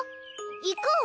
行こう？